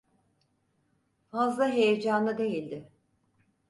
Fazla heyecanlı değildi.